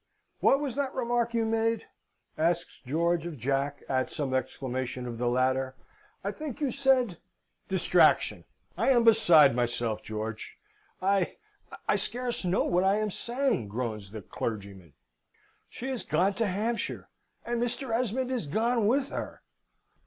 "What was that remark you made?" asks George of Jack, at some exclamation of the latter. "I think you said " "Distraction! I am beside myself, George! I I scarce know what I am saying," groans the clergyman. "She is gone to Hampshire, and Mr. Esmond is gone with her!"